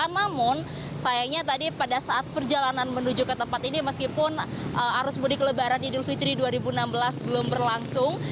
namun sayangnya tadi pada saat perjalanan menuju ke tempat ini meskipun arus mudik lebaran idul fitri dua ribu enam belas belum berlangsung